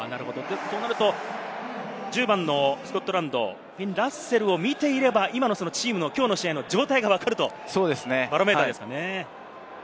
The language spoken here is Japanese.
となると１０番、スコットランド、フィン・ラッセルを見ていれば、今のチームのきょうの試合の状態が分かるというバロメーターですかね。